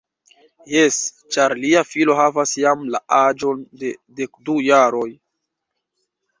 Jes, ĉar lia filo havas jam la aĝon de dekdu jaroj.